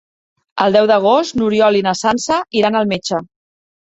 El deu d'agost n'Oriol i na Sança iran al metge.